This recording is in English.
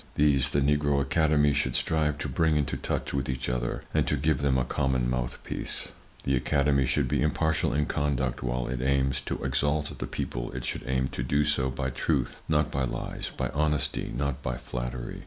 These the Negro Academy should strive to bring into touch with each other and to give them a common mouthpiece. The Academy should be impartial in conduct; while it aims to exalt the people it should aim to do so by truth—not by lies, by honesty—not by flattery.